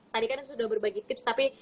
tadi kan sudah berbagi tips tapi